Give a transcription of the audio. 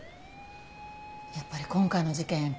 やっぱり今回の事件